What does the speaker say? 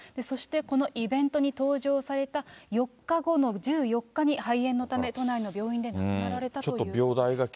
そしてこのイベントに登場された４日後の１４日に肺炎のため、都内の病院で亡くなられたということです。